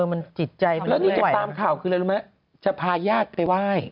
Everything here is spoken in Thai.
แล้วนี่จะตามข่าวคืออะไรรู้ไหมจะพาญาติไปไหว้